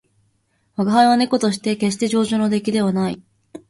吾輩は猫として決して上乗の出来ではない